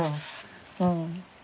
うん。